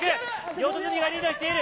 四十住がリードしてる。